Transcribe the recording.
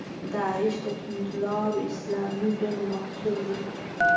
داعش د توندلارو اسلامي ډلو محصول دی.